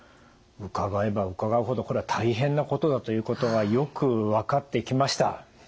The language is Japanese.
伺えば伺うほどこれは大変なことだということがよく分かってきました。